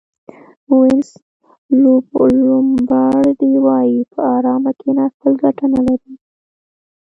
وینس لومبارډي وایي په ارامه کېناستل ګټه نه لري.